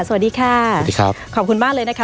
สวัสดีค่ะสวัสดีครับขอบคุณมากเลยนะคะ